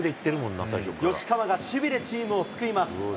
吉川が守備でチームを救います。